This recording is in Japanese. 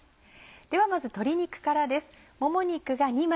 ではまず鶏肉からです。